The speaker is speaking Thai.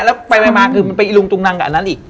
แล้วไปมาคือมันไปอีลุงตุงนังกับอันนั้นอีก